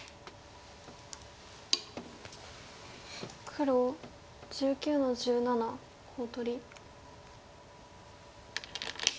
黒１９の十七コウ取り。